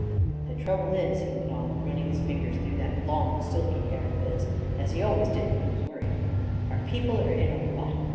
" The trouble is," he went on, running his fingers through that long, silky hair of his, as he always did when he was worried, " our people are in a rut.